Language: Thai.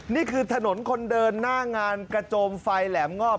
นี่คือถนนคนเดินหน้างานกระโจมไฟแหลมงอบ